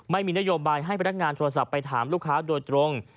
ไม่มีนโยบายให้พนักงานโทรศัพท์ไปถามลูกค้าโดยตรง